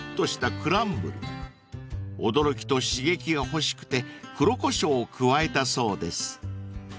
［驚きと刺激が欲しくて黒胡椒を加えたそうです］